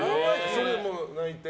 それ、泣いて？